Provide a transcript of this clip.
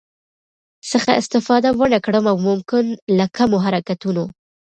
څخه استفاده ونکړم او ممکن له کمو حرکتونو